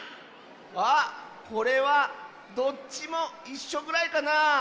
あっこれはどっちもいっしょぐらいかなあ。